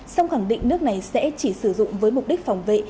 song khẳng định nước này sẽ chỉ sử dụng với mục đích phòng vệ